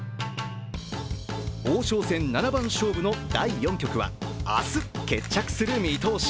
王将戦七番勝負の第４局は明日決着する見通し。